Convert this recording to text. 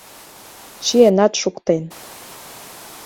Чиенат шуктен.